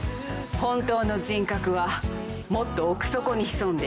本当の人格はもっと奥底に潜んでいる。